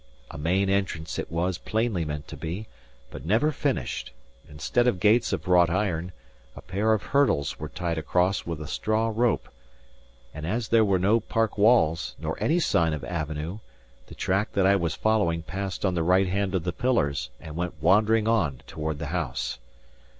A main entrance it was plainly meant to be, but never finished; instead of gates of wrought iron, a pair of hurdles were tied across with a straw rope; and as there were no park walls, nor any sign of avenue, the track that I was following passed on the right hand of the pillars, and went wandering on toward the house.